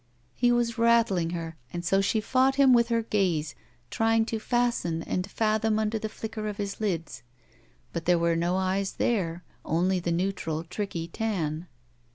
He was rattling her, and so she fought him with her gaze, trying to fasten and fathom under the flicker of his lids. But there were no eyes there. Only the neutral, tricky tan.